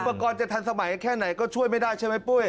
กรณ์จะทันสมัยแค่ไหนก็ช่วยไม่ได้ใช่ไหมปุ้ย